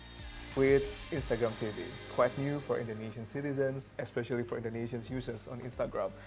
dengan instagram tv cukup baru untuk penduduk indonesia terutama untuk pengguna indonesia di instagram